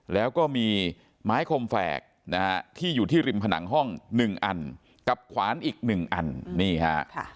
แล้วก็มีไม้คมแฝกนะฮะที่อยู่ที่ริมผนังห้อง๑อันกับขวานอีก๑อันนี่ฮะ